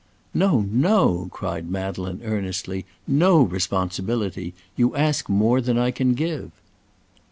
"No, no!" cried Madeleine, earnestly; "no responsibility. You ask more than I can give."